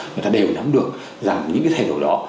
người ta đều nắm được rằng những cái thay đổi đó